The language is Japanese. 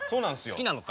好きなのか。